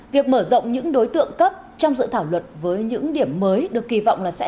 việc mở rộng những đối tượng cấp trong dự thảo luật với những điểm mới được kỳ vọng là sẽ